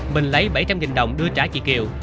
mình lấy bảy trăm linh đồng đưa trả chị kiều